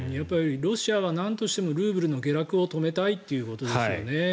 ロシアはなんとしてもルーブルの下落を止めたいということですよね。